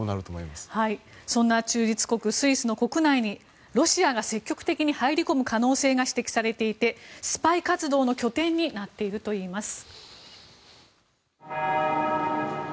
そんな中立国スイスの国内にロシアが積極的に入り込む危険が指摘されていて、スパイ活動の拠点になっているといいます。